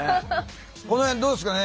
この辺どうですかね？